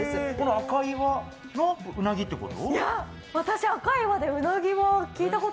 赤磐のうなぎってこと？